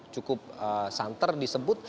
cukup santer disebut